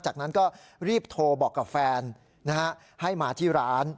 จากนั้นก็รีบโทรบอกกับแฟนให้มาที่ร้าน